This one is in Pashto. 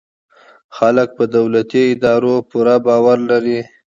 خلک په دولتي ادارو پوره باور لري.